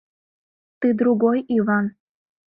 Ты другой Иван.